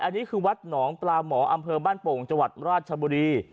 อันนี้คือวัดหนองปลาหมออำเภอบ้านโป่งจังหวัดราชบุรี